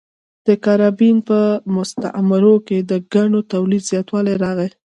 د کارابین په مستعمرو کې د ګنیو تولید زیاتوالی راغی.